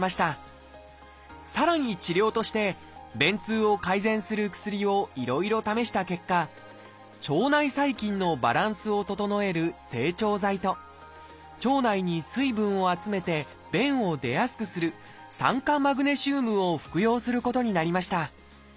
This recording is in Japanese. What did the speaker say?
さらに治療として便通を改善する薬をいろいろ試した結果腸内細菌のバランスを整える「整腸剤」と腸内に水分を集めて便を出やすくする「酸化マグネシウム」を服用することになりました。